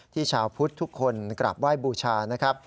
ชาวพุทธทุกคนกราบไหว้บูชานะครับ